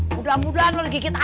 mudah mudahan lo lagi kita beli